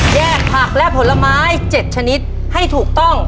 แยกผักและผลไม้๗ชนิดให้ถูกต้อง